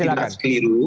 supaya tidak keliru